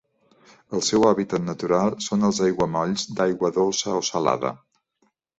El seu hàbitat natural són els aiguamolls d'aigua dolça o salada.